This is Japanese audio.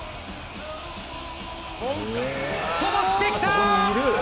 飛ばしてきた。